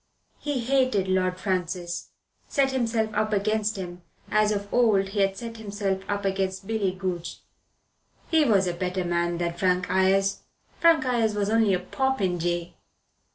He hated Lord Francis, set himself up against him, as of old he had set himself up against Billy Goodge. He was a better man than Frank Ayres. Frank Ayres was only a popinjay.